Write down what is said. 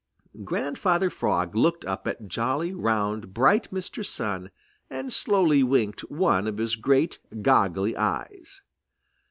Grandfather Frog looked up at jolly, round, bright Mr. Sun and slowly winked one of his great, goggly eyes.